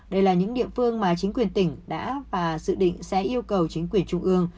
đây là những địa phương mà chính quyền tỉnh đã và dự định sẽ yêu cầu chính quyền trung ương